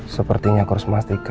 sepertinya aku harus memastikan